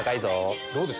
どうです？